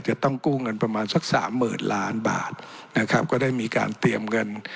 จะต้องกู้เงินประมาณสักสามหมื่นล้านบาทนะครับก็ได้มีการเตรียมเงิน